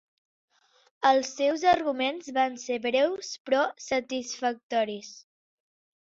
Els seus arguments van ser breus però satisfactoris.